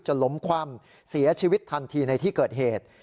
ล้มคว่ำเสียชีวิตทันทีในที่เกิดเหตุ